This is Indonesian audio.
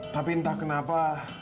tapi entah kenapa